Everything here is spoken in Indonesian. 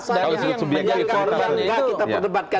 ada alasan yang menyangka korban tidak kita perdebatkan